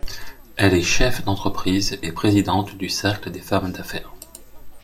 Elle est cheffe d'entreprise et présidente du cercle des femmes d'affaires.